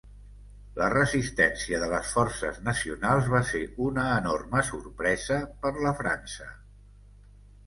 La resistència de les forces nacionals va ser una enorme sorpresa per la França.